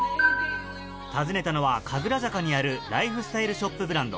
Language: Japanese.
訪ねたのは神楽坂にあるライフスタイルショップブランド